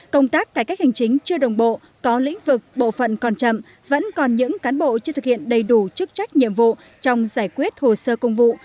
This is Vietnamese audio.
công tác cải cách hành chính chưa đồng bộ có lĩnh vực bộ phận còn chậm vẫn còn những cán bộ chưa thực hiện đầy đủ chức trách nhiệm vụ trong giải quyết hồ sơ công vụ